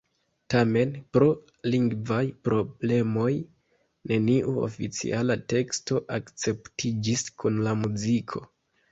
Tamen, pro lingvaj problemoj neniu oficiala teksto akceptiĝis kun la muziko.